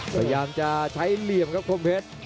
พยายามจะใช้เหลี่ยมครับคมเพชร